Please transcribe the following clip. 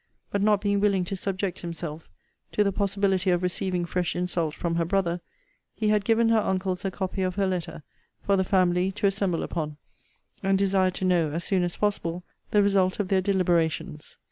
But not being willing to subject himself to the possibility of receiving fresh insult from her brother, he had given her uncles a copy of her letter, for the family to assemble upon; and desired to know, as soon as possible, the result of their deliberations.